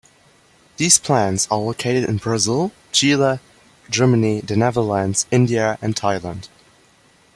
These plants are located in Brazil, Chile, Germany, the Netherlands, India and Thailand.